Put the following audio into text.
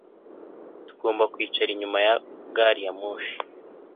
Tugomba kwicara inyuma ya gari ya moshi